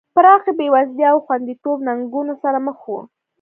پراخې بېوزلۍ او خوندیتوب ننګونو سره مخ وو.